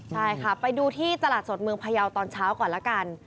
ใช่ค่ะไปดูที่ตลาดสดเมืองพยาวตอนเช้าก่อนละกัน